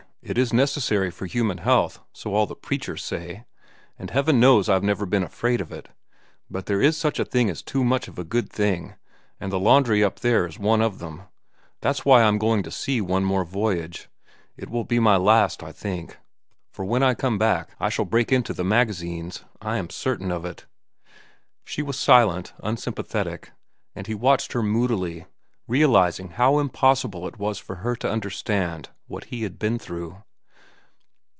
It is necessary for human health, so all the preachers say, and Heaven knows I've never been afraid of it. But there is such a thing as too much of a good thing, and the laundry up there is one of them. And that's why I'm going to sea one more voyage. It will be my last, I think, for when I come back, I shall break into the magazines. I am certain of it." She was silent, unsympathetic, and he watched her moodily, realizing how impossible it was for her to understand what he had been through.